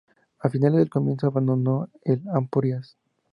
A finales del comienza el abandono de Ampurias.